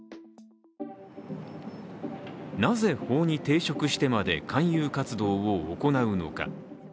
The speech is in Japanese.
なぜ法に抵触してまで勧誘活動を行うのか。